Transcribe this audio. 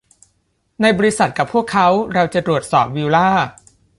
ใน บริษัท กับพวกเขาเราจะตรวจสอบวิลล่า